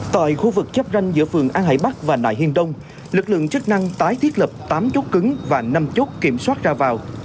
tại khu vực chắp ranh giữa phường an hải bắc và nại hiên đông lực lượng chức năng tái thiết lập tám chốt cứng và năm chốt kiểm soát ra vào